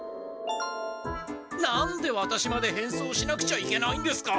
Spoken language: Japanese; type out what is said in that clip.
何でワタシまでへんそうしなくちゃいけないんですか？